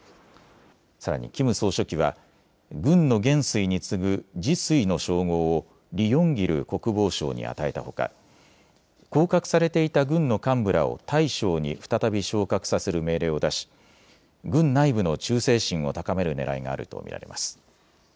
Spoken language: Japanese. さらにキム総書記は軍の元帥に次ぐ次帥の称号をリ・ヨンギル国防相に与えたほか降格されていた軍の幹部らを大将に再び昇格させる命令を出し軍内部の忠誠心を高めるねらいがあると見られます。